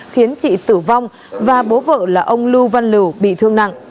khiến chị tử vong và bố vợ là ông lưu văn lưu bị thương nặng